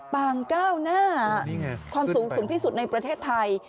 ปางก้าวหน้าความสูงสูงที่สุดในประเทศไทย